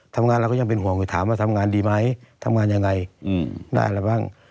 ทำงานเราก็ยังเป็นห่วงอยู่ถามว่าทำงานดีไหมทำงานยังไงได้อะไรบ้าง